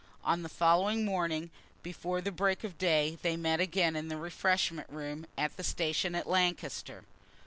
On the following morning, before the break of day, they met again in the refreshment room, at the station at Lancaster.